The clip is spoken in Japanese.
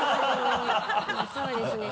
そうですね。